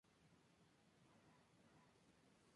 Escribió mucho sobre el área de su infancia en sus obras.